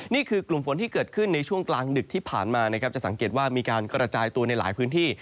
นี่คือกลุ่มฝนที่เกิดขึ้นในช่วงกลางดึกที่ผ่านมานะครับจะสังเกตว่ามีการกระจายตัวในหลายพื้นที่